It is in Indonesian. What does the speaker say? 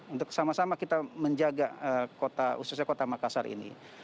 untuk sama sama kita menjaga kota khususnya kota makassar ini